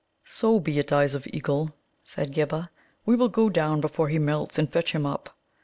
"So be it, Eyes of an Eagle," said Ghibba; "we will go down before he melts and fetch him up."